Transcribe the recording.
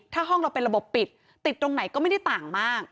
ถ้าห้องเราเป็นระบบปิดติดตรงไหนก็ไม่ได้ต่างมาก